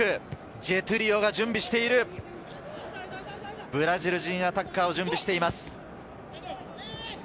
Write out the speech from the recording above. ジェトゥリオが準備している、ブラジル人アタッカーを準備しています。